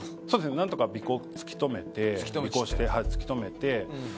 何とか突き止めて尾行して突き止めて結果。